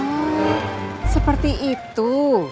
oh seperti itu